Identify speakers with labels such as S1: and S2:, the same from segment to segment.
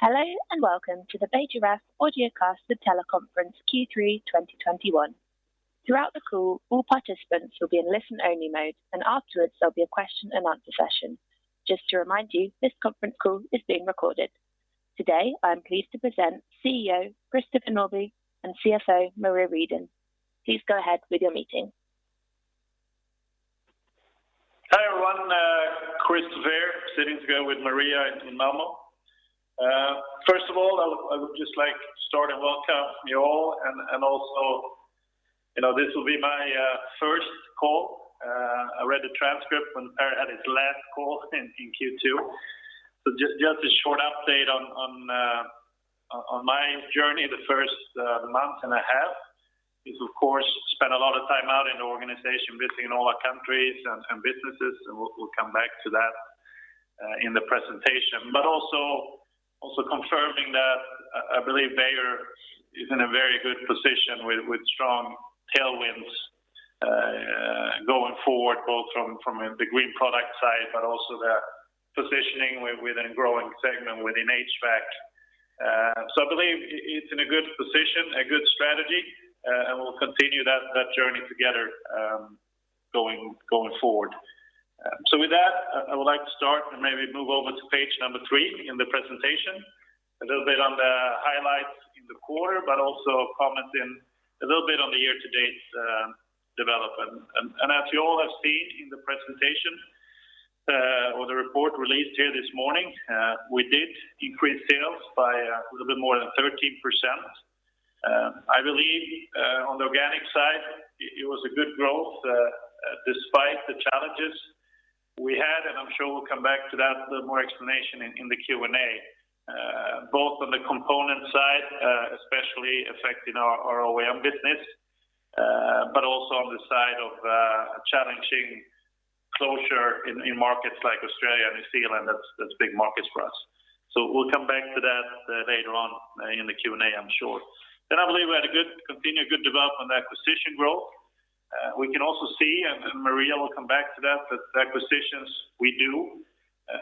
S1: Hello, and welcome to the Beijer Ref audiocasted teleconference Q3 2021. Throughout the call, all participants will be in listen-only mode. Afterwards, there'll be a question-and-answer session. Just to remind you, this conference call is being recorded. Today, I'm pleased to present CEO, Christopher Norbye, and CFO, Maria Rhedin. Please go ahead with your meeting.
S2: Hi, everyone. Chris here, sitting together with Maria in [Malmo]. First of all, I would just like to start and welcome you all, and also, this will be my first call. I read the transcript when Per had his last call in Q2. Just a short update on my journey the first month and a half is, of course, spent a lot of time out in the organization, visiting all our countries and businesses, and we'll come back to that in the presentation. Also confirming that I believe Beijer is in a very good position with strong tailwinds going forward, both from the green product side, but also the positioning within a growing segment within HVAC. I believe it's in a good position, a good strategy, and we'll continue that journey together going forward. With that, I would like to start and maybe move over to page number three in the presentation. A little bit on the highlights in the quarter, but also comment a little bit on the year-to-date development. As you all have seen in the presentation, or the report released here this morning, we did increase sales by a little bit more than 13%. I believe, on the organic side, it was a good growth, despite the challenges we had, and I'm sure we'll come back to that with more explanation in the Q&A. Both on the component side, especially affecting our OEM business, but also on the side of a challenging closure in markets like Australia and New Zealand, that's big markets for us. We'll come back to that later on in the Q&A, I'm sure. I believe we had a continued good development in acquisition growth. We can also see, and Maria will come back to that, but the acquisitions we do,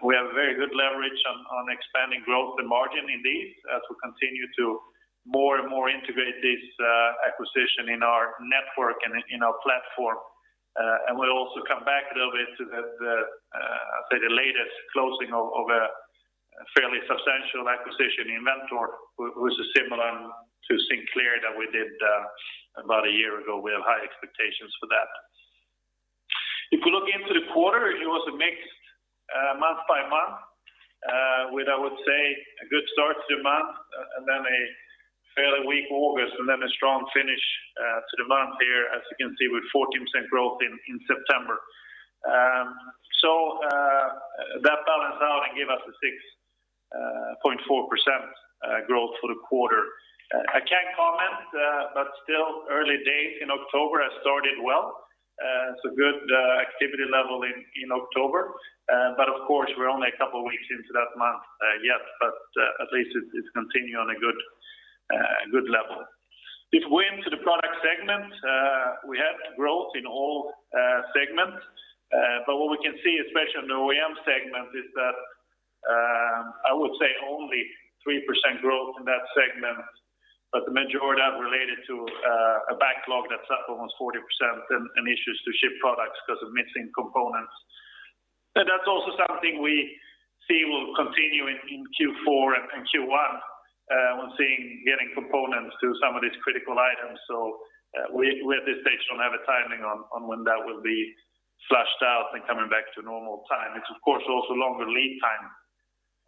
S2: we have very good leverage on expanding growth and margin in these as we continue to more and more integrate this acquisition in our network and in our platform. We'll also come back a little bit to the latest closing of a fairly substantial acquisition in Inventor, who's similar to Sinclair that we did about a year ago. We have high expectations for that. If you look into the quarter, it was a mixed month by month, with, I would say, a good start to the month, and then a fairly weak August, and then a strong finish to the month here, as you can see, with 14% growth in September. That balanced out and gave us a 6.4% growth for the quarter. I cannot comment, still early days in October has started well. Good activity level in October. Of course, we are only a couple of weeks into that month yet, but at least it is continuing on a good level. If we enter the product segment, we had growth in all segments. What we can see, especially on the OEM segment, is that, I would say only 3% growth in that segment, but the majority of that related to a backlog that is up almost 40% and issues to ship products because of missing components. That is also something we see will continue in Q4 and Q1 on getting components to some of these critical items, we at this stage do not have a timing on when that will be flushed out and coming back to normal time. It's of course also longer lead time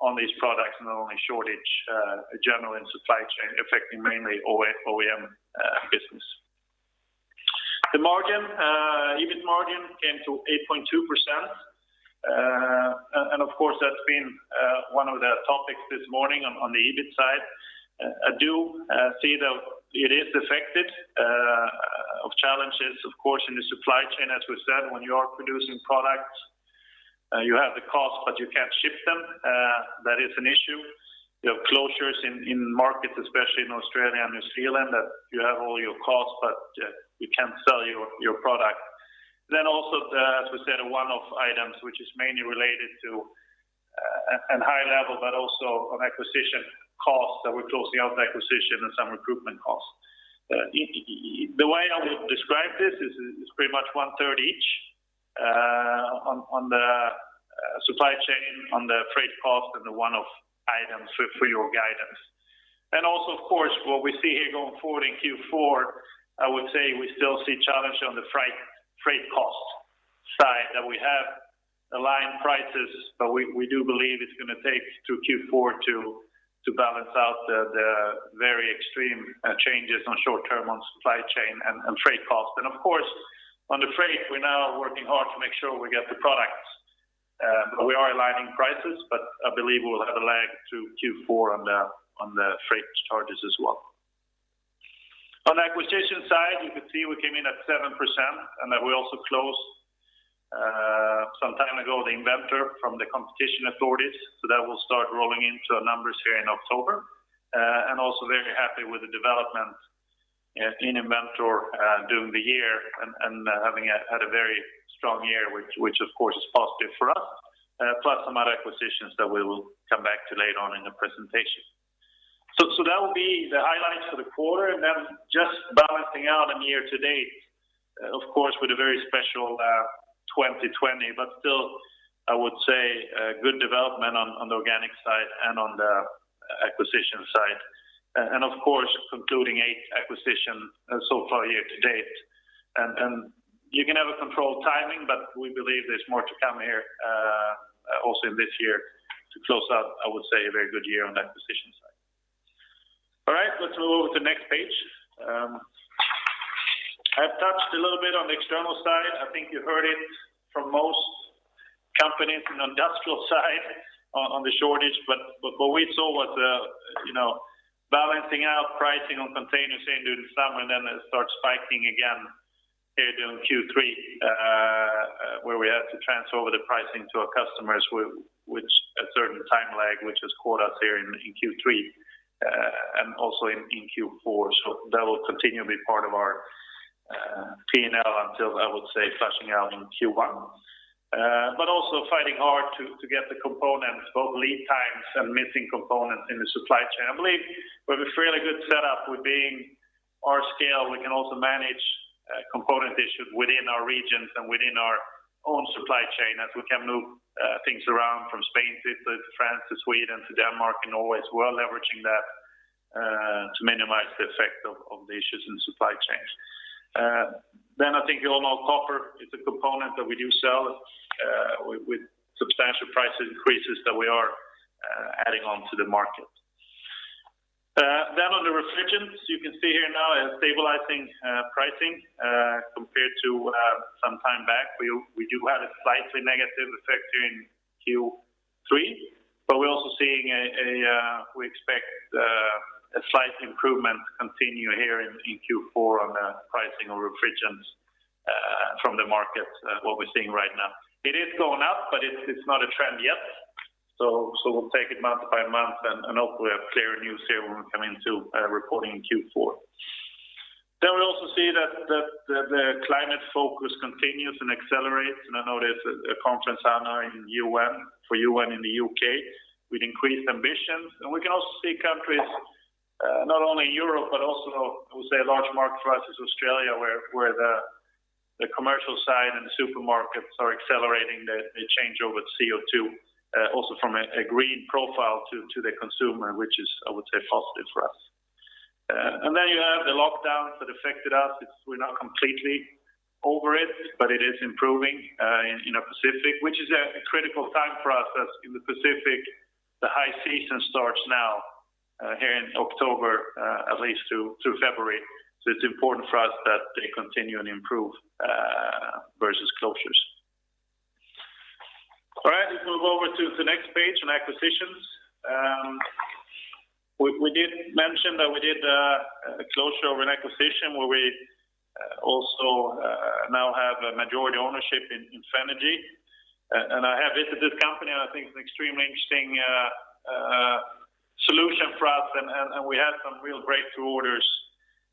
S2: on these products, not only shortage, general and supply chain, affecting mainly OEM business. The margin, EBIT margin, came to 8.2%. Of course, that's been one of the topics this morning on the EBIT side. I do see that it is affected, of challenges, of course, in the supply chain. As we said, when you are producing products, you have the cost, but you can't ship them. That is an issue. You have closures in markets, especially in Australia and New Zealand, that you have all your costs, but you can't sell your product. Also the, as we said, one-off items, which is mainly related to a high level, but also on acquisition costs that we're closing out the acquisition and some recruitment costs. The way I would describe this is, it's pretty much one-third each on the supply chain, on the freight cost, and the one-off items for your guidance. Also, of course, what we see here going forward in Q4, I would say we still see challenge on the freight cost side, that we have aligned prices, but we do believe it's going to take through Q4 to balance out the very extreme changes on short term on supply chain and freight cost. Of course, on the freight, we're now working hard to make sure we get the products. We are aligning prices, but I believe we'll have a lag to Q4 on the freight charges as well. On the acquisition side, you could see we came in at 7%. We also closed, some time ago, the Inventor from the competition authorities. That will start rolling into our numbers here in October. Also very happy with the development in Inventor during the year and having had a very strong year, which of course, is positive for us, plus some other acquisitions that we will come back to later on in the presentation. That will be the highlights for the quarter. Just balancing out a year-to-date, of course, with a very special 2020. Still, I would say, good development on the organic side and on the acquisition side. Of course, concluding eight acquisitions so far here to date. You can have a controlled timing, but we believe there's more to come here, also in this year to close out, I would say, a very good year on the acquisition side. All right, let's move over to the next page. I've touched a little bit on the external side. I think you heard it from most companies on the industrial side on the shortage, but what we saw was balancing out pricing on containers in during the summer, and then it starts spiking again here during Q3, where we had to transfer over the pricing to our customers with a certain time lag, which has caught us here in Q3, and also in Q4. That will continue to be part of our P&L until, I would say, flushing out in Q1. Also fighting hard to get the components, both lead times and missing components in the supply chain. I believe we have a fairly good setup with being our scale, we can also manage component issues within our regions and within our own supply chain, as we can move things around from Spain to France to Sweden to Denmark and always we're leveraging that to minimize the effect of the issues in supply chains. I think you all know copper is a component that we do sell, with substantial price increases that we are adding on to the market. On the refrigerants, you can see here now a stabilizing pricing, compared to some time back. We do have a slightly negative effect here in Q3, but we expect a slight improvement to continue here in Q4 on the pricing of refrigerants, from the market, what we're seeing right now. It is going up, but it's not a trend yet. We'll take it month by month, and hopefully we have clearer news here when we come into reporting in Q4. We also see that the climate focus continues and accelerates, and I know there's a conference on for UN in the U.K. with increased ambitions, and we can also see countries, not only in Europe, but also I would say a large market for us is Australia, where the commercial side and supermarkets are accelerating the changeover to CO2, also from a green profile to the consumer, which is, I would say, positive for us. You have the lockdowns that affected us. We're not completely over it, but it is improving in the Pacific, which is a critical time for us as in the Pacific, the high season starts now, here in October, at least through February. It's important for us that they continue and improve versus closures. All right. Let's move over to the next page on acquisitions. We did mention that we did a closure of an acquisition where we also now have a majority ownership in Fenagy. I have visited this company, and I think it's an extremely interesting solution for us. We had some real breakthrough orders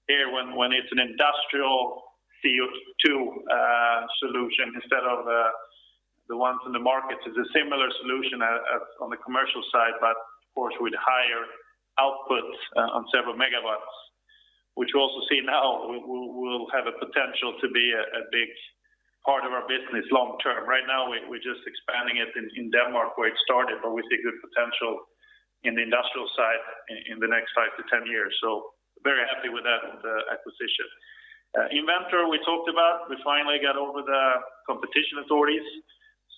S2: here when it's an industrial CO2 solution instead of the ones in the market. It's a similar solution as on the commercial side, but of course, with higher outputs on several MW, which we also see now will have a potential to be a big part of our business long term. Right now, we're just expanding it in Denmark where it started, but we see good potential in the industrial side in the next 5-10 years. Very happy with that, with the acquisition. Inventor, we talked about, we finally got over the competition authorities,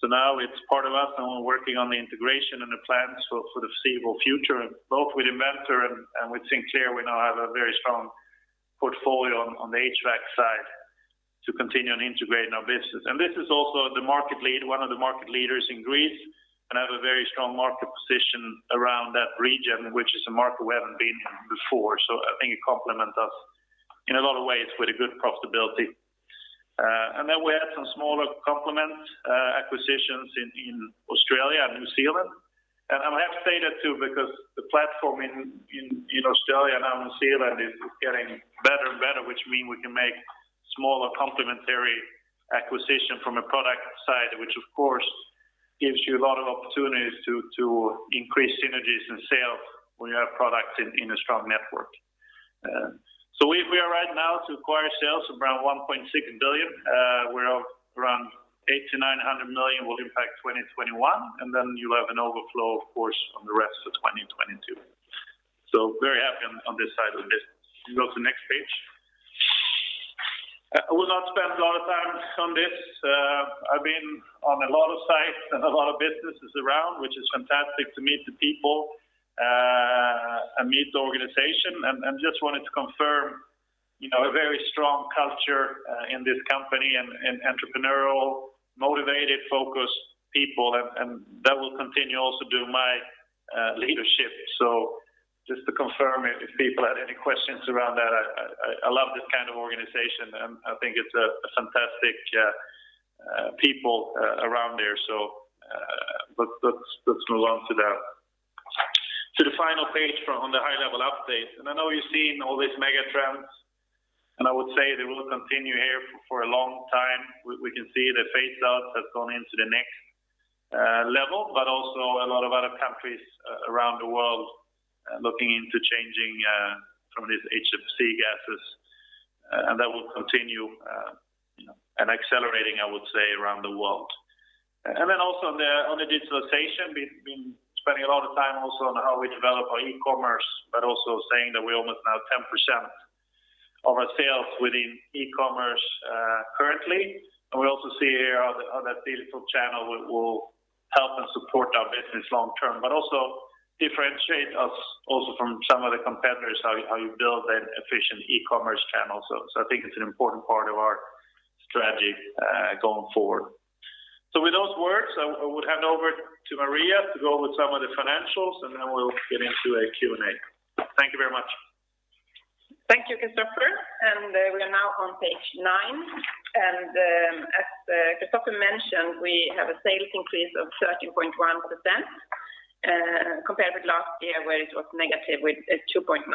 S2: now it's part of us and we're working on the integration and the plans for the foreseeable future, both with Inventor and with Sinclair, we now have a very strong portfolio on the HVAC side to continue and integrate in our business. This is also one of the market leaders in Greece, and have a very strong market position around that region, which is a market we haven't been in before. I think it complements us in a lot of ways with a good profitability. Then we had some smaller complement acquisitions in Australia and New Zealand. I have to say that, too, because the platform in Australia now and New Zealand is getting better and better, which mean we can make smaller complementary acquisition from a product side, which of course gives you a lot of opportunities to increase synergies and sales when you have products in a strong network. We are right now to acquire sales around 1.6 billion, where around 800 million-900 million will impact 2021, and then you have an overflow, of course, on the rest of 2022. Very happy on this side of the business. You can go to the next page. I will not spend a lot of time on this. I've been on a lot of sites and a lot of businesses around, which is fantastic to meet the people, and meet the organization and just wanted to confirm a very strong culture in this company and entrepreneurial, motivated, focused people, and that will continue also during my leadership. Just to confirm if people had any questions around that, I love this kind of organization, and I think it's a fantastic people around there. Let's move on to the final page on the high-level update. I know you've seen all these mega trends, and I would say they will continue here for a long time. We can see the phase out has gone into the next level, but also a lot of other countries around the world looking into changing from these HFC gases. That will continue and accelerating, I would say, around the world. Then also on the digitalization, we've been spending a lot of time also on how we develop our e-commerce, but also saying that we're almost now 10% of our sales within e-commerce currently. We also see here how that digital channel will help and support our business long term, but also differentiate us also from some of the competitors, how you build an efficient e-commerce channel. I think it's an important part of our strategy going forward. With those words, I would hand over to Maria to go over some of the financials, and then we'll get into a Q&A. Thank you very much.
S3: Thank you, Christopher. We are now on page nine, and as Christopher mentioned, we have a sales increase of 13.1% compared with last year where it was negative with 2.9%.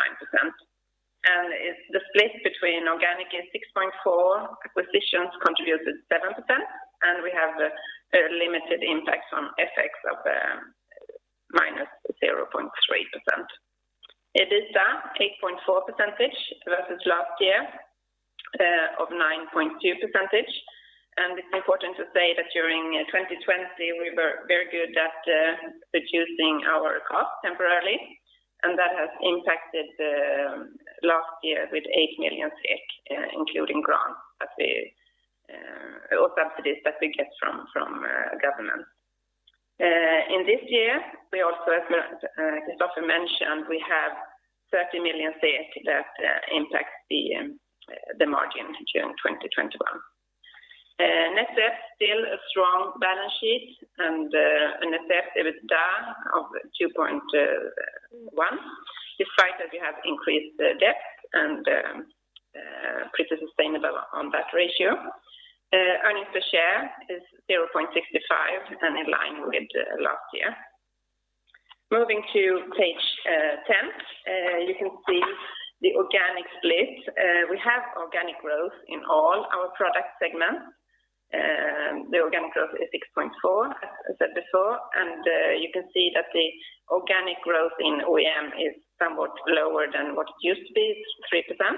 S3: The split between organic is 6.4, acquisitions contributed 7%, and we have a limited impact on FX of minus 0.3%. EBITDA 8.4% versus last year of 9.2%. It's important to say that during 2020 we were very good at reducing our cost temporarily, and that has impacted last year with 8 million SEK including grants or subsidies that we get from government. In this year, we also, as Christopher mentioned, we have 30 million that impacts the margin June 2021. Net debt, still a strong balance sheet and net debt to EBITDA of 2.1%, despite that we have increased debt and pretty sustainable on that ratio. Earnings per share is 0.65 and in line with last year. Moving to page 10, you can see the organic split. We have organic growth in all our product segments. The organic growth is 6.4%, as I said before, and you can see that the organic growth in OEM is somewhat lower than what it used to be, it's 3%.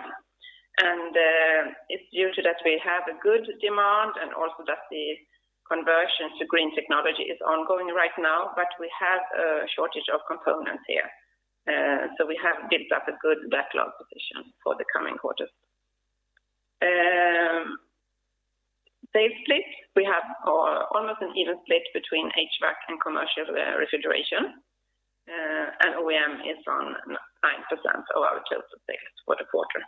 S3: It's due to that we have a good demand and also that the conversion to green technology is ongoing right now, but we have a shortage of components here. We have built up a good backlog position for the coming quarters. Sales split, we have almost an even split between HVAC and commercial refrigeration. OEM is on 9% of our sales mix for the quarter.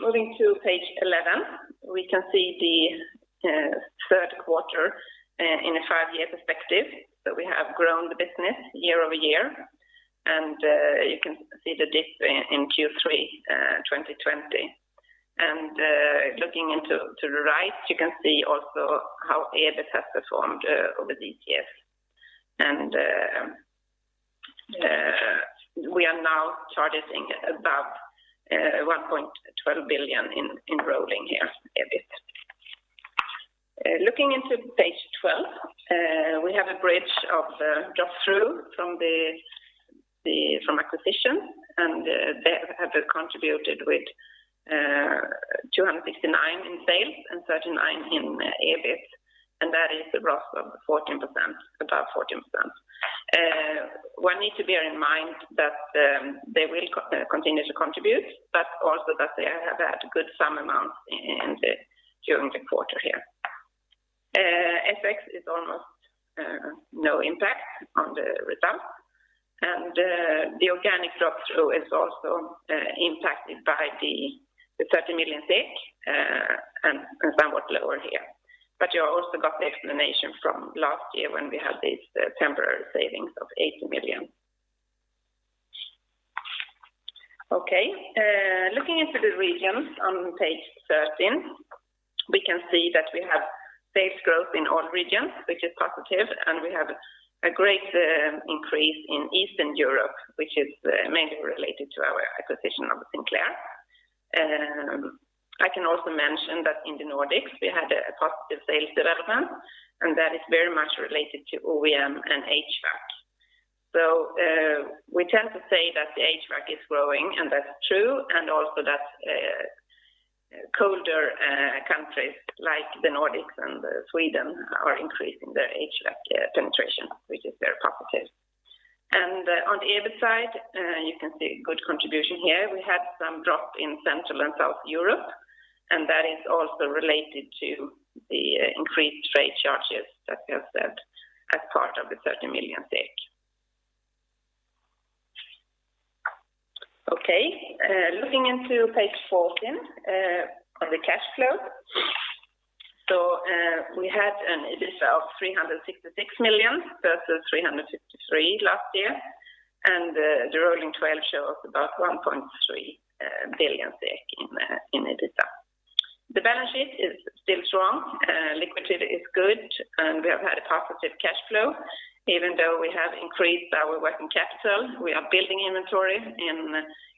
S3: Moving to page 11, we can see the third quarter in a five-year perspective that we have grown the business year-over-year and you can see the dip in Q3 2020. Looking into the right, you can see also how EBIT has performed over these years. We are now targeting above 1.12 billion in rolling here, EBIT. Looking into page 12, we have a bridge of drop-through from acquisitions. They have contributed with 269 in sales and 39 in EBIT, and that is above 14%. One need to bear in mind that they will continue to contribute, but also that they have had a good sum amount during the quarter here. FX has almost no impact on the result. The organic drop-through is also impacted by the 30 million and somewhat lower here. You also got the explanation from last year when we had these temporary savings of 80 million. Okay. Looking into the regions on page 13, we can see that we have sales growth in all regions, which is positive, and we have a great increase in Eastern Europe, which is mainly related to our acquisition of Sinclair. I can also mention that in the Nordics we had a positive sales development, and that is very much related to OEM and HVAC. We tend to say that the HVAC is growing, and that's true, and also that colder countries like the Nordics and Sweden are increasing their HVAC penetration, which is very positive. On the EBIT side, you can see good contribution here. We had some drop in Central and South Europe, that is also related to the increased trade charges that we have said as part of the 30 million. Okay. Looking into page 14, on the cash flow. We had an EBITDA of 366 million versus 353 last year, and the rolling 12 shows about 1.3 billion in EBITDA. The balance sheet is still strong. Liquidity is good, and we have had a positive cash flow even though we have increased our working capital. We are building inventory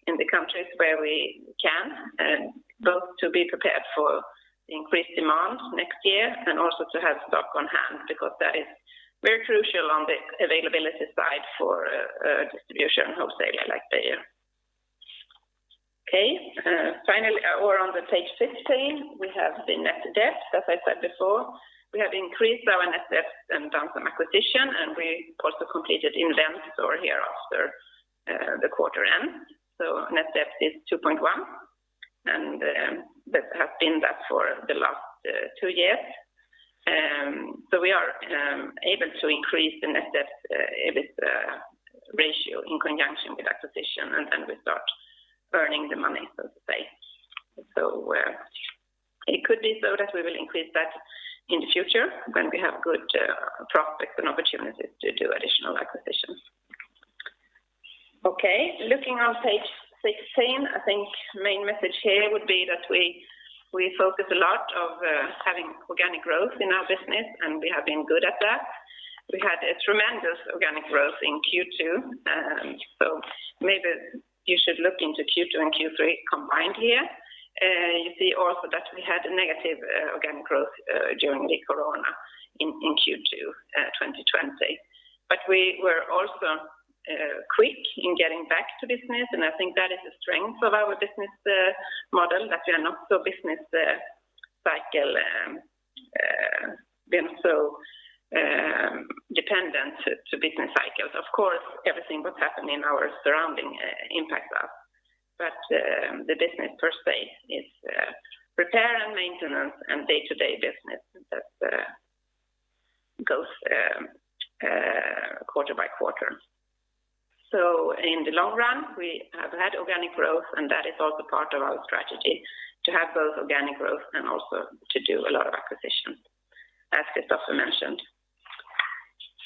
S3: in the countries where we can, both to be prepared for increased demand next year and also to have stock on hand because that is very crucial on the availability side for distribution and wholesale at Beijer. Okay. On page 15, we have the net debt. As I said before, we have increased our net debt and done some acquisitions, and we also completed in events over here after the quarter end. Net debt is 2.1% and that has been that for the last two years. We are able to increase the net debt ratio in conjunction with acquisitions and then we start earning the money, so to say. It could be so that we will increase that in the future when we have good prospects and opportunities to do additional acquisitions. Okay. Looking on page 16, I think the main message here would be that we focus a lot on having organic growth in our business and we have been good at that. We had a tremendous organic growth in Q2, maybe you should look into Q2 and Q3 combined here. You see also that we had a negative organic growth during the Corona in Q2 2020. We were also quick in getting back to business, and I think that is a strength of our business model, that we are not so dependent to business cycles. Of course, everything what's happening in our surrounding impacts us. The business per se is repair and maintenance and day-to-day business that goes quarter by quarter. In the long run, we have had organic growth and that is also part of our strategy to have both organic growth and also to do a lot of acquisitions as Christopher mentioned.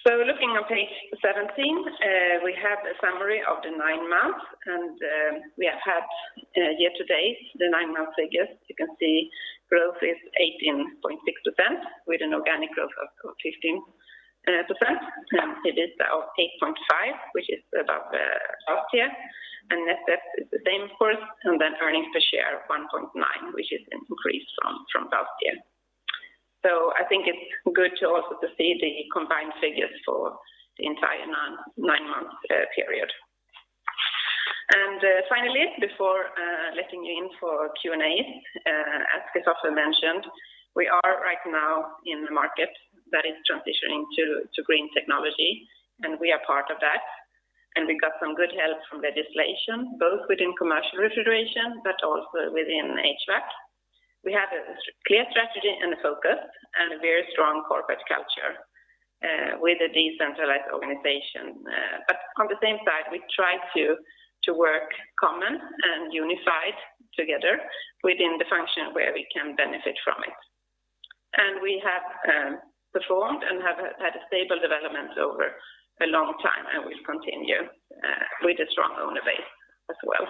S3: Looking on page 17, we have a summary of the nine months and we have had year to date the nine months figures. You can see growth is 18.6% with an organic growth of 15%. It is the 8.5% which is about last year and net debt is the same of course and then earnings per share of 1.9 which is increased from last year. I think it's good to also to see the combined figures for the entire nine-month period. Finally before letting in for Q&A, as Christopher mentioned, we are right now in the market that is transitioning to green technology and we are part of that. We got some good help from legislation both within commercial refrigeration but also within HVAC. We have a clear strategy and a focus and a very strong corporate culture with a decentralized organization. On the same side we try to work common and unified together within the function where we can benefit from it. We have performed and have had a stable development over a long time and will continue with a strong owner base as well.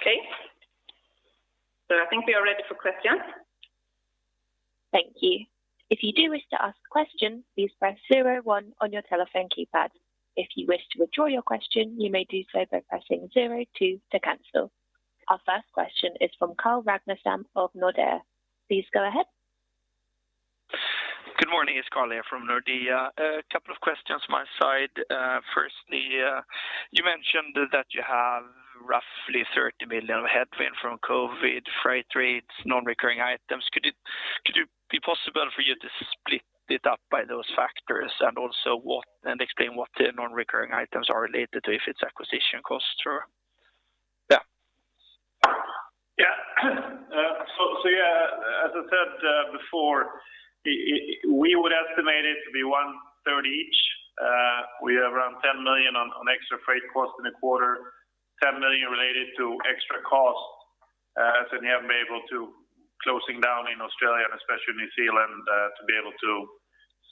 S3: Okay. I think we are ready for questions.
S1: Our first question is from Carl Ragnerstam of Nordea. Please go ahead.
S4: Good morning, it's Carl here from Nordea. A couple of questions my side. You mentioned that you have roughly 30 million headwind from COVID, freight rates, non-recurring items. Could it be possible for you to split it up by those factors and explain what the non-recurring items are related to if it's acquisition costs too?
S2: Yeah, as I said before, we would estimate it to be one-third each each. We have around 10 million on extra freight cost in the quarter, 10 million related to extra cost, as in here we've been able to closing down in Australia and especially New Zealand, to be able to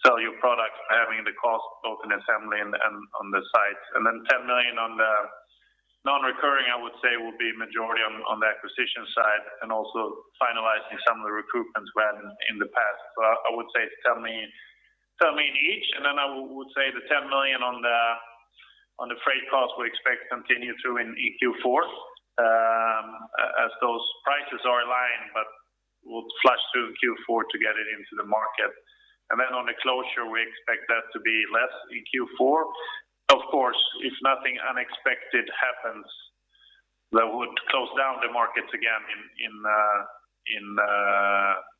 S2: sell your products having the cost both in assembly and on the site. Then 10 million on the non-recurring I would say will be majority on the acquisition side and also finalizing some of the recruitments we had in the past. I would say it's 10 million each, then I would say the 10 million on the freight cost we expect to continue through in Q4 as those prices are aligned but will flush through Q4 to get it into the market. Then on the closure we expect that to be less in Q4. Of course, if nothing unexpected happens that would close down the markets again in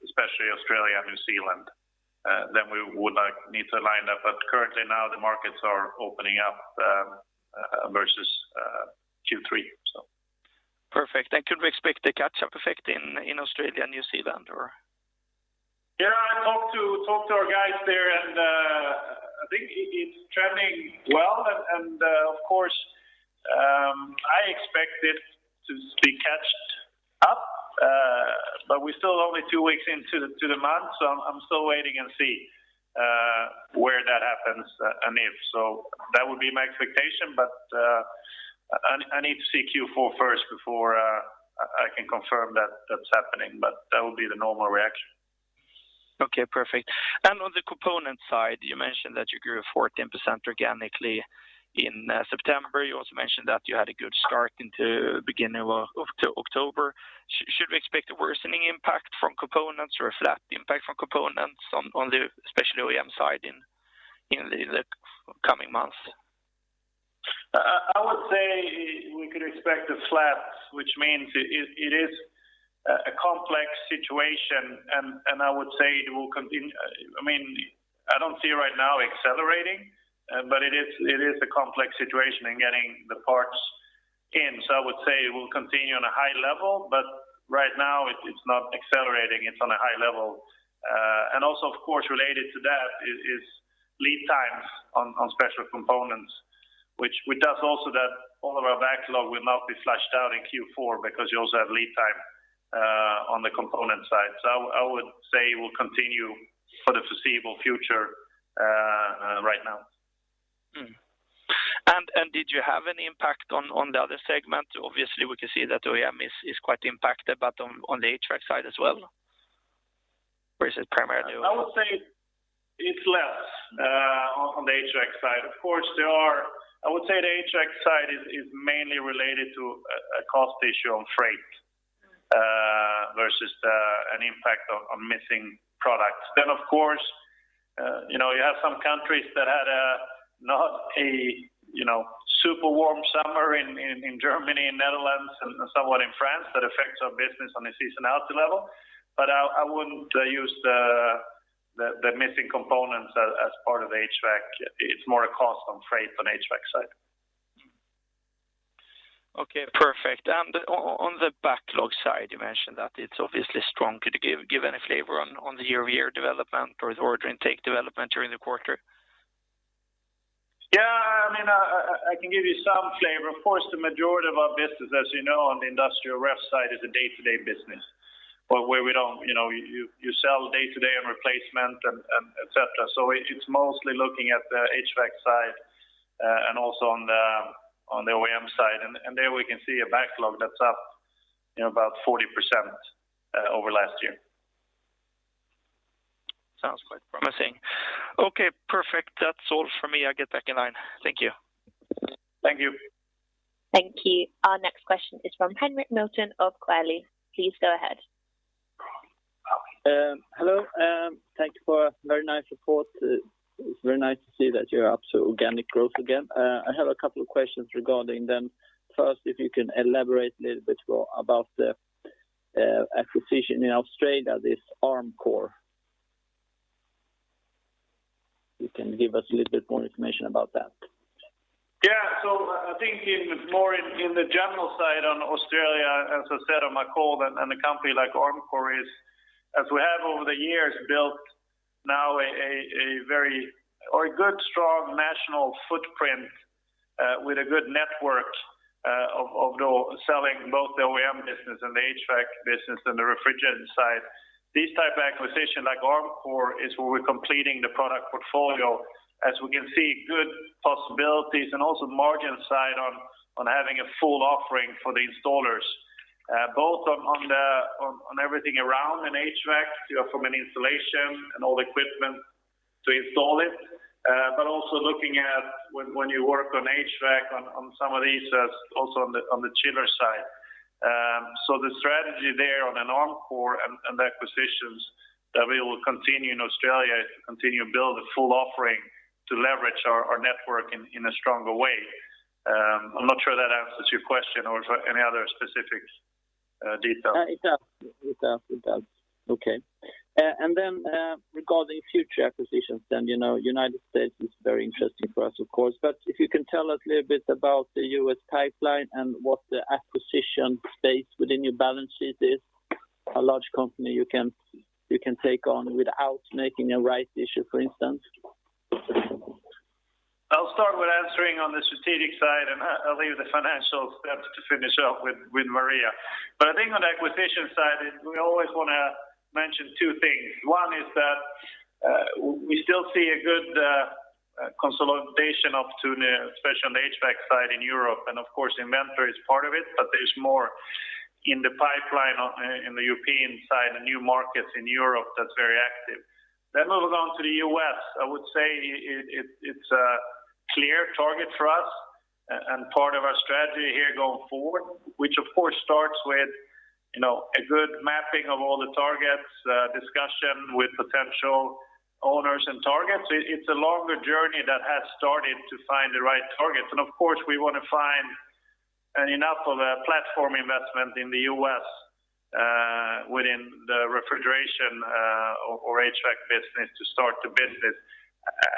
S2: especially Australia and New Zealand, then we would need to line up. Currently now the markets are opening up versus Q3.
S4: Perfect. Could we expect a catch-up effect in Australia and New Zealand or?
S2: Yeah, I talked to our guys there and I think it's trending well and of course I expect it to be caught. We're still only two weeks into the month, so I'm still waiting and see where that happens. That would be my expectation, but I need to see Q4 first before I can confirm that's happening, but that will be the normal reaction.
S4: Okay, perfect. On the component side, you mentioned that you grew 14% organically in September. You also mentioned that you had a good start into beginning of October. Should we expect a worsening impact from components or a flat impact from components on the special OEM side in the coming months?
S2: I would say we could expect a flat, which means it is a complex situation, and I don't see right now accelerating. It is a complex situation in getting the parts in. I would say it will continue on a high level, but right now it's not accelerating, it's on a high level. Also of course, related to that is lead times on special components, which does also that all of our backlog will not be flushed out in Q4 because you also have lead time, on the component side. I would say it will continue for the foreseeable future, right now.
S4: Did you have any impact on the other segment? Obviously, we can see that OEM is quite impacted, but on the HVAC side as well, or is it primarily?
S2: I would say it's less, on the HVAC side. Of course, I would say the HVAC side is mainly related to a cost issue on freight, versus an impact on missing products. Of course, you have some countries that had a not super warm summer in Germany and Netherlands and somewhat in France. That affects our business on a seasonality level. I wouldn't use the missing components as part of HVAC. It's more a cost on freight on HVAC side.
S4: Okay, perfect. On the backlog side, you mentioned that it's obviously strong. Could you give any flavor on the year-over-year development or the order intake development during the quarter?
S2: Yeah, I can give you some flavor. Of course, the majority of our business, as you know, on the industrial ref side is a day-to-day business. You sell day-to-day and replacement et cetera. It's mostly looking at the HVAC side, and also on the OEM side. There we can see a backlog that's up about 40% over last year.
S4: Sounds quite promising. Okay, perfect. That's all from me. I get back in line. Thank you.
S2: Thank you.
S1: Thank you. Our next question is from Henrik Milton of Coeli. Please go ahead.
S5: Hello. Thank you for a very nice report. It is very nice to see that you are up to organic growth again. I have a couple of questions regarding them. If you can elaborate a little bit about the acquisition in Australia, this Armcor. You can give us a little bit more information about that?
S2: Yeah. I think it's more in the general side on Australia, as I said on my call, and a company like Armcor is, as we have over the years built now a good, strong national footprint, with a good network, of selling both the OEM business and the HVAC business and the refrigerant side. This type of acquisition like Armcor is where we're completing the product portfolio, as we can see good possibilities and also margin side on having a full offering for the installers. Both on everything around an HVAC, from an installation and all the equipment to install it. Also looking at when you work on HVAC, on some of these, also on the chiller side. The strategy there on an Armcor and acquisitions that we will continue in Australia is to continue to build a full offering to leverage our network in a stronger way. I'm not sure that answers your question or any other specifics detail.
S5: It does. Okay. Regarding future acquisitions, U.S. is very interesting for us, of course. If you can tell us a little bit about the U.S. pipeline and what the acquisition space within your balance sheet is? A large company you can take on without making a rights issue, for instance.
S2: I'll start with answering on the strategic side, and I'll leave the financial steps to finish up with Maria. I think on the acquisition side, is we always want to mention two things. One is that, we still see a good consolidation opportunity, especially on the HVAC side in Europe. Of course, Inventor is part of it, but there's more in the pipeline on the European side and new markets in Europe that's very active. Moving on to the U.S., I would say it's a clear target for us and part of our strategy here going forward, which of course starts with a good mapping of all the targets, discussion with potential owners and targets. It's a longer journey that has started to find the right targets. Of course, we want to find enough of a platform investment in the U.S. within the refrigeration, or HVAC business to start the business.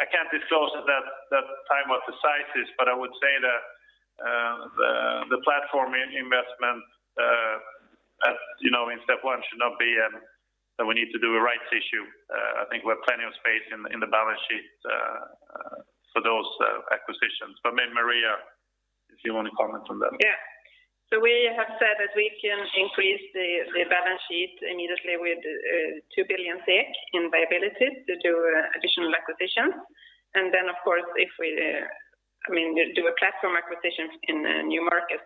S2: I can't disclose at that time what the size is, but I would say that the platform investment, in step one should not be that we need to do a rights issue. I think we have plenty of space in the balance sheet for those acquisitions. Maybe Maria, if you want to comment on that.
S3: Yeah. We have said that we can increase the balance sheet immediately with 2 billion SEK in viability to do additional acquisitions. Of course, if we do a platform acquisition in a new market,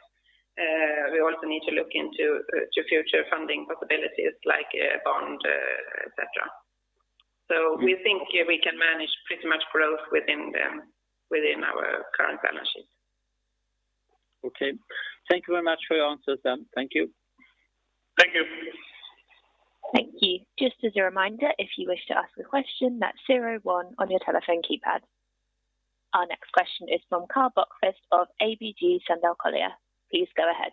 S3: we also need to look into future funding possibilities like bond, et cetera. We think we can manage pretty much growth within our current balance sheet.
S5: Okay. Thank you very much for your answers then. Thank you.
S2: Thank you.
S1: Thank you. Just as a reminder, if you wish to ask a question, that's 01 on your telephone keypad. Our next question is from Karl Bokvist of ABG Sundal Collier. Please go ahead.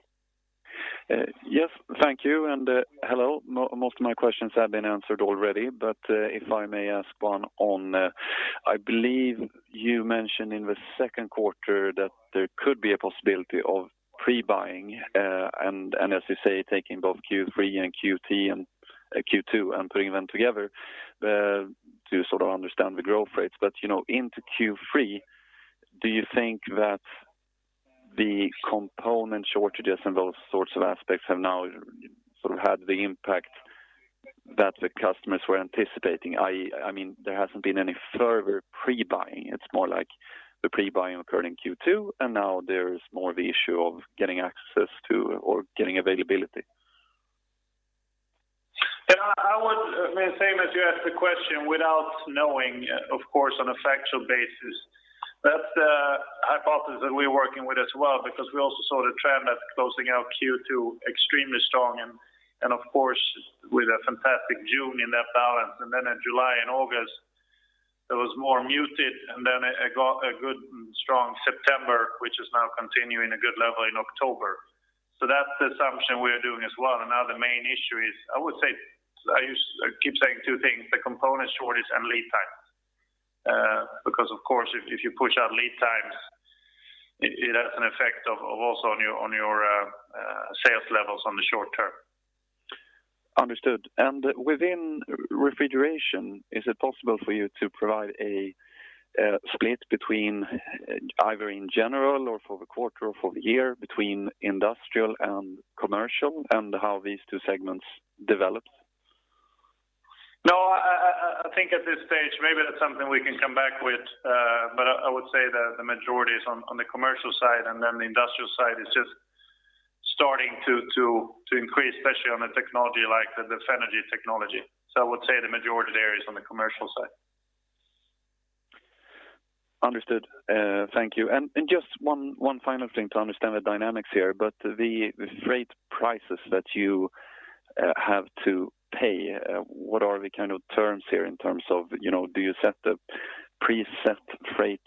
S6: Yes, thank you, and hello. Most of my questions have been answered already, but if I may ask one on, I believe you mentioned in the second quarter that there could be a possibility of pre-buying, and as you say, taking both Q3 and Q2 and putting them together to sort of understand the growth rates. Into Q3, do you think that the component shortages and those sorts of aspects have now had the impact that the customers were anticipating? I mean, there hasn't been any further pre-buying. It's more like the pre-buying occurred in Q2, and now there is more the issue of getting access to or getting availability.
S2: I mean, same as you asked the question, without knowing, of course, on a factual basis, that's a hypothesis that we're working with as well because we also saw the trend at closing out Q2 extremely strong and of course, with a fantastic June in that balance. In July and August, it was more muted, and then it got a good, strong September, which is now continuing a good level in October. That's the assumption we're doing as well. Now the main issue is, I would say, I keep saying two things, the component shortage and lead times. Because of course, if you push out lead times, it has an effect of also on your sales levels on the short term.
S6: Understood. Within refrigeration, is it possible for you to provide a split between either in general or for the quarter or for the year between industrial and commercial and how these two segments developed?
S2: No, I think at this stage, maybe that's something we can come back with. I would say that the majority is on the commercial side, and then the industrial side is just starting to increase, especially on a technology like the Fenagy technology. I would say the majority there is on the commercial side.
S6: Understood. Thank you. Just one final thing to understand the dynamics here, but the freight prices that you have to pay, what are the kind of terms here in terms of, do you set the preset freight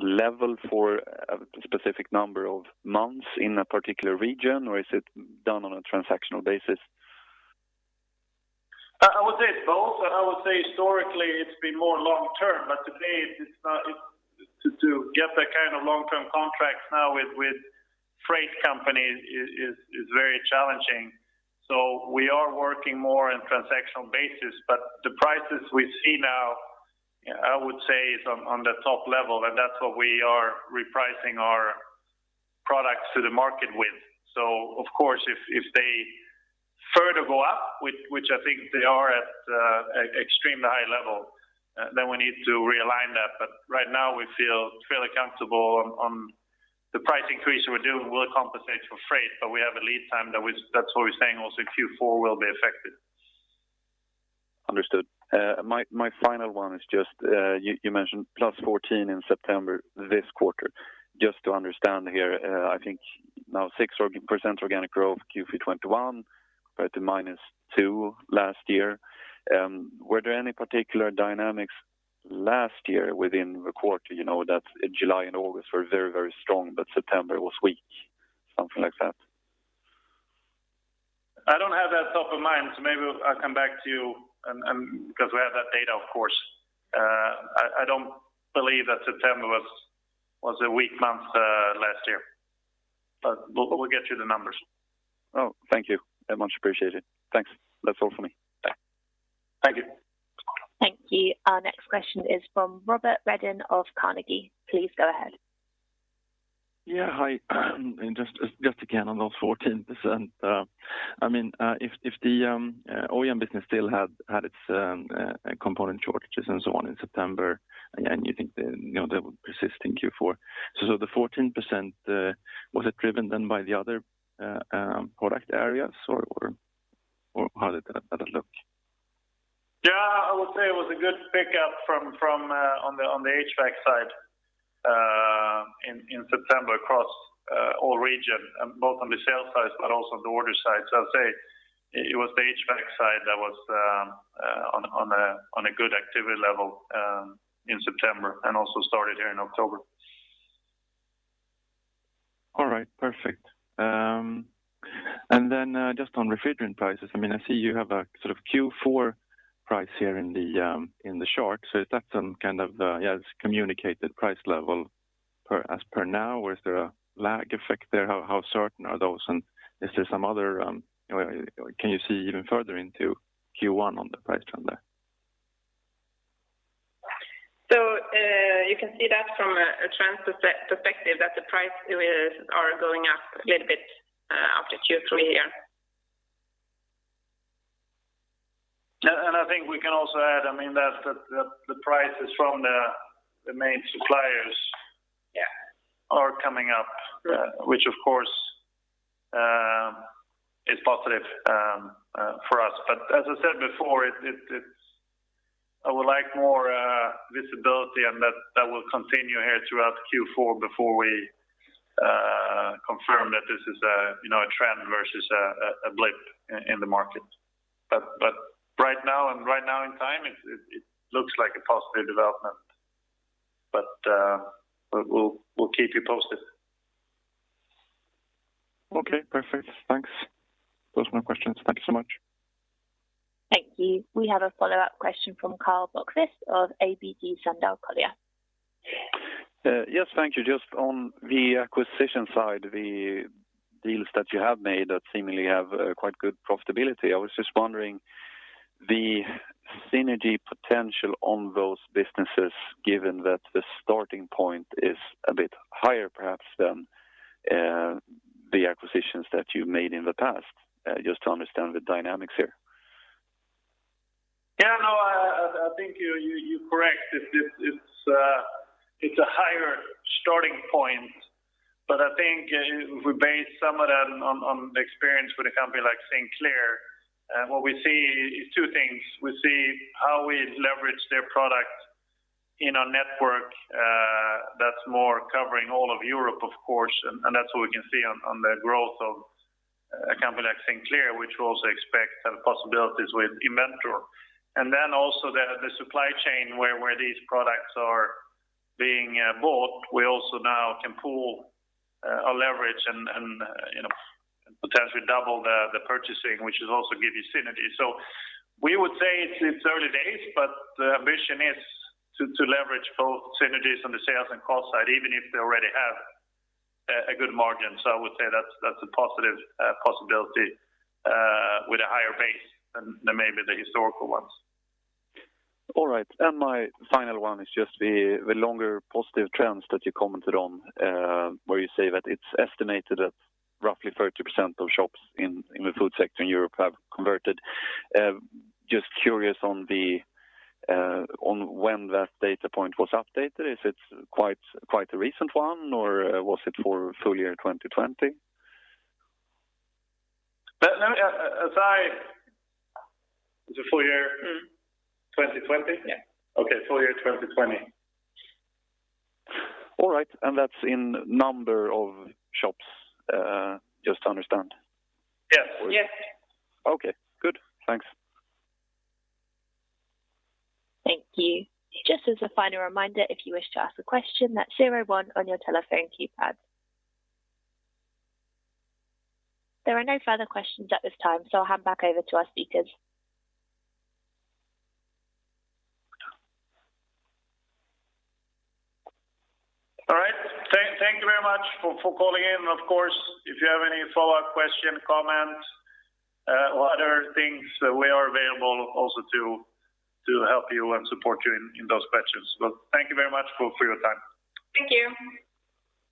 S6: level for a specific number of months in a particular region, or is it done on a transactional basis?
S2: I would say it's both. I would say historically, it's been more long-term, but today to get that kind of long-term contracts now with freight companies is very challenging. We are working more on transactional basis, but the prices we see now, I would say is on the top level, and that's what we are repricing our products to the market with. Of course, if they further go up, which I think they are at extremely high level, then we need to realign that. Right now, we feel comfortable on the price increase we're doing will compensate for freight, but we have a lead time that's what we're saying also Q4 will be affected.
S6: Understood. My final one is just, you mentioned plus 14 in September this quarter. Just to understand here, I think now 6% organic growth, Q3 2021, compared to minus 2 last year. Were there any particular dynamics last year within the quarter? That July and August were very strong, but September was weak, something like that.
S2: I don't have that top of mind, so maybe I'll come back to you because we have that data, of course. I don't believe that September was a weak month last year. We'll get you the numbers.
S6: Oh, thank you. Much appreciated. Thanks. That's all for me.
S2: Thank you.
S1: Thank you. Our next question is from Robert Redin of Carnegie. Please go ahead.
S7: Yeah, hi. Just again on those 14%. If the OEM business still had its component shortages and so on in September, and you think they will persist in Q4. The 14%, was it driven then by the other product areas, or how did that look?
S2: Yeah, I would say it was a good pickup on the HVAC side in September across all regions, both on the sales side, but also the order side. I'll say it was the HVAC side that was on a good activity level in September and also started here in October.
S7: All right, perfect. Just on refrigerant prices, I see you have a sort of Q4 price here in the chart. Is that some kind of communicated price level? As per now, or is there a lag effect there? How certain are those, and can you see even further into Q1 on the price trend there?
S3: You can see that from a trends perspective that the prices are going up a little bit after Q3 here.
S2: I think we can also add, that the prices from the main suppliers.
S3: Yeah.
S2: are coming up, which of course is positive for us. As I said before, I would like more visibility, and that will continue here throughout Q4 before we confirm that this is a trend versus a blip in the market. Right now in time, it looks like a positive development. We'll keep you posted.
S7: Okay, perfect. Thanks. Those are my questions. Thank you so much.
S1: Thank you. We have a follow-up question from Karl Bokvist of ABG Sundal Collier.
S6: Yes, thank you. Just on the acquisition side, the deals that you have made that seemingly have quite good profitability. I was just wondering the synergy potential on those businesses, given that the starting point is a bit higher, perhaps, than the acquisitions that you made in the past. Just to understand the dynamics here.
S2: Yeah, I think you're correct. It's a higher starting point, but I think if we base some of that on the experience with a company like Sinclair, what we see is two things. We see how we leverage their product in a network that's more covering all of Europe, of course, and that's what we can see on the growth of a company like Sinclair, which we also expect have possibilities with Inventor. Also the supply chain where these products are being bought, we also now can pool or leverage and potentially double the purchasing, which will also give you synergy. We would say it's early days, but the ambition is to leverage both synergies on the sales and cost side, even if they already have a good margin. I would say that's a positive possibility with a higher base than maybe the historical ones.
S6: All right. My final one is just the longer positive trends that you commented on, where you say that it's estimated that roughly 30% of shops in the food sector in Europe have converted. Just curious on when that data point was updated. Is it quite a recent one, or was it for full year 2020?
S2: It's full year. 2020?
S3: Yeah.
S2: Okay. Full year 2020.
S6: All right, that's in number of shops, just to understand?
S2: Yes.
S3: Yes.
S6: Okay, good. Thanks.
S1: Thank you. Just as a final reminder, if you wish to ask a question, that is zero, one on your telephone keypad. There are no further questions at this time, so I will hand back over to our speakers.
S2: All right. Thank you very much for calling in. Of course, if you have any follow-up question, comment, or other things, we are available also to help you and support you in those questions. Thank you very much for your time.
S3: Thank you.